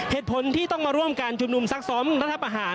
เหตุผลที่ต้องมาร่วมการชุมนุมซักซ้อมรัฐประหาร